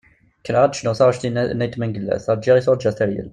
Kkreɣ ad d-cnuɣ taɣect-nni n Mengellat "Rğiɣ i turğa teryel".